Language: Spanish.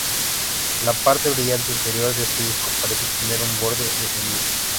La parte brillante interior de este disco parece tener un borde definido.